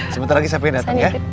sementara lagi sapinya datang ya